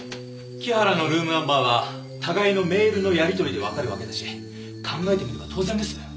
木原のルームナンバーは互いのメールのやり取りでわかるわけだし考えてみれば当然です。